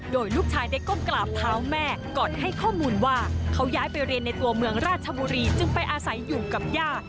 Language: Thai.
โดยลูกชายได้ก้มกราบเท้าแม่ก่อนให้ข้อมูลว่าเขาย้ายไปเรียนในตัวเมืองราชบุรีจึงไปอาศัยอยู่กับย่า